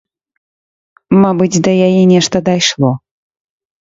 Мабыць, да яе нешта дайшло.